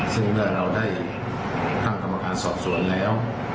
ซึ่งเมื่อเราได้ตั้งกรรมการสอบสวนแล้ว